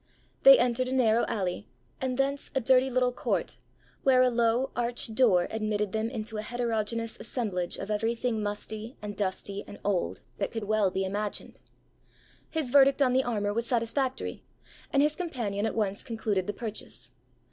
They entered a narrow alley, and thence a dirty little court, where a low arched door admitted them into a heterogeneous assemblage of everything musty, and dusty, and old, that could well be imagined. His verdict on the armour was satisfactory, and his companion at once concluded the purchase.